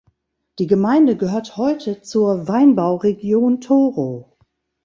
Die Gemeinde gehört heute zur Weinbauregion Toro.